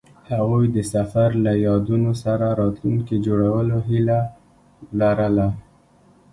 هغوی د سفر له یادونو سره راتلونکی جوړولو هیله لرله.